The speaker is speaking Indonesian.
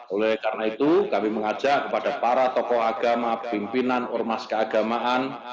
oleh karena itu kami mengajak kepada para tokoh agama pimpinan ormas keagamaan